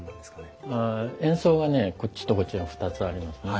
円相がねこっちとこっちに２つありますね。